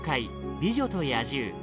「美女と野獣」